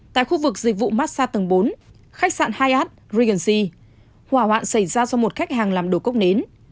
tại khu vực dịch vụ massage tầng bốn khách sạn hyatt regency hỏa hoạn xảy ra do một khách hàng làm đồ cốc nến